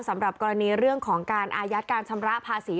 สำหรับกรณีเรื่องของการอายัดการชำระภาษี